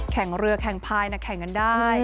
แข่งเรือแข่งพายแข่งกันได้